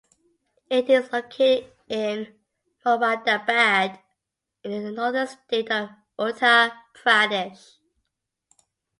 It is located in Moradabad in the northern state of Uttar Pradesh.